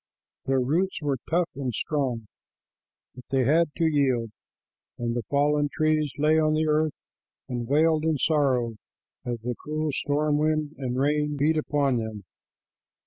Their roots were tough and strong, but they had to yield, and the fallen trees lay on the earth and wailed in sorrow as the cruel storm wind and rain beat upon them.